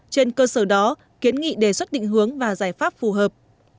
trên cơ sở đó kiến nghị đề xuất định hướng và giải pháp phù hợp